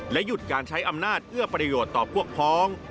หยุดการใช้อำนาจเอื้อประโยชน์ต่อพวกพ้อง